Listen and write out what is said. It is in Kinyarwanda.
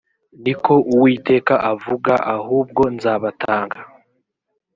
ni ko uwiteka avuga ahubwo nzabatanga